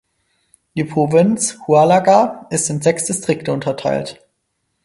Die Provinz Huallaga ist in sechs Distrikte unterteilt.